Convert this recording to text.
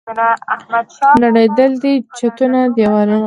نړېدلي دي چتونه، دیوالونه